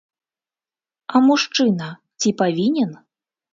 А мужчына ці павінен?